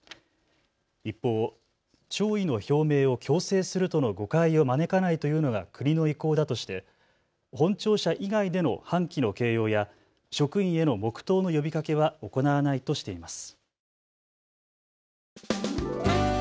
一方、弔意の表明を強制するとの誤解を招かないというのが国の意向だとして本庁舎以外での半旗の掲揚や職員への黙とうの呼びかけは行わないとしています。